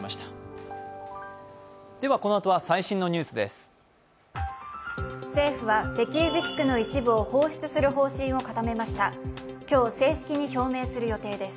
このあとは最新のニュースです。